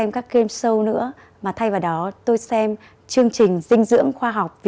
các loại quả